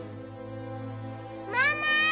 ママ！